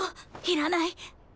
いらない！